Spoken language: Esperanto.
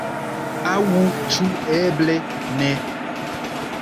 Aŭ ĉu eble ne?